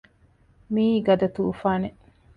މިއީ ގަދަ ތޫފާނެއް